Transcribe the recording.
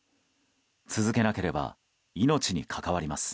続けなければ命に関わります。